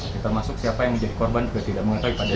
kita masuk siapa yang menjadi korban juga tidak mengetahui